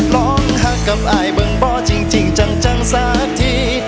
ร้องหักกับอายเบิ้งบ่อจริงจังสักที